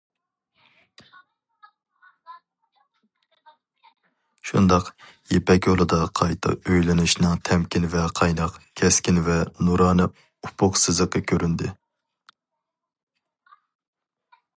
شۇنداق، يىپەك يولىدا قايتا ئويلىنىشنىڭ تەمكىن ۋە قايناق، كەسكىن ۋە نۇرانە ئۇپۇق سىزىقى كۆرۈندى.